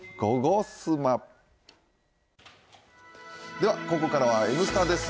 ではここからは「Ｎスタ」です。